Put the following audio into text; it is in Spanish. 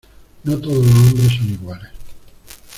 no todos los hombres son iguales...